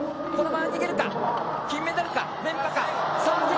このまま逃げるか、金メダルか！